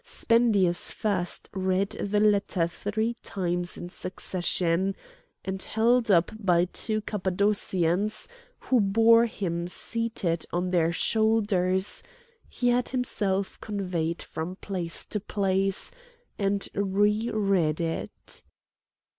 Spendius first read the letter three times in succession; and held up by two Cappadocians, who bore him seated on their shoulders, he had himself conveyed from place to place and re read it.